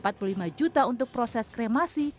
rp empat puluh lima juta untuk proses kremasi